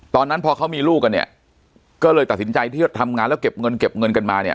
ตอนนั้นพอเขามีลูกกันเนี่ยก็เลยตัดสินใจที่จะทำงานแล้วเก็บเงินเก็บเงินกันมาเนี่ย